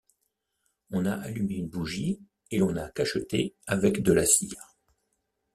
On a allumé une bougie, et l’on a cacheté avec de la cire.